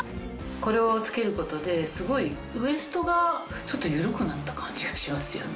これを着けることですごいウエストがちょっと緩くなった感じがしますよね。